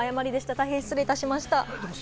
大変失礼しました。